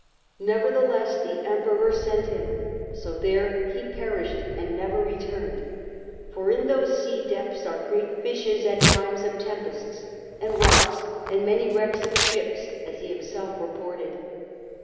Nevertheless the Emperor sent him ; so there he perished and never returned : for in those sea depths are great fishes at times of tempests, and rocks and many wrecks of ships, as he himself reported.